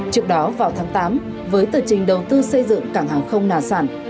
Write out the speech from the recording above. trước đó vào tháng tám với tờ trình đầu tư xây dựng cảng hàng không nà sản